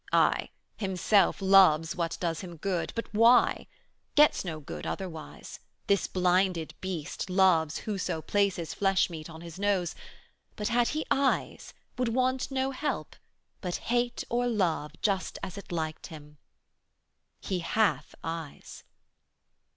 Aye, himself loves what does him good; but why? 180 'Gets good no otherwise. This blinded beast Loves whoso places fleshmeat on his nose, But, had he eyes, would want no help, but hate Or love, just as it liked him: He hath eyes.